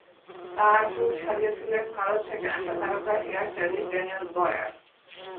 তাঁর চুল সাজিয়েছিলেন ভারত থেকে আসা তারকা হেয়ার স্টাইলিস্ট ড্যানিয়েল বয়ার।